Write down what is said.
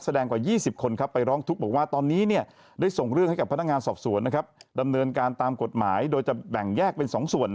ส่งเรื่องให้กับพนักงานสอบส่วนดำเนินการตามกฎหมายโดยจะแบ่งแยกเป็น๒ส่วน